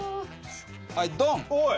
はいドン！